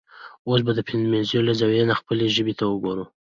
اوس به د د فيمينزم له زاويې نه خپلې ژبې ته وګورو.